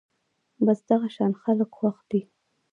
بس دغه شان خلک خوښ دي